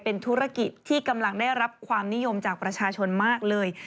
เป็นธุรกิจที่กำลังได้รับความนิยมจากประชาชนมากเลย